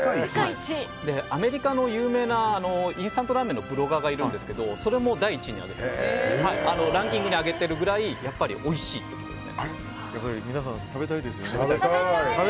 アメリカの有名なインスタントラーメンのブロガーがいるんですけどその方が第１位にランキングに挙げてるくらい皆さん、食べたいですよね。